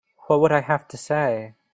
What would I have to say?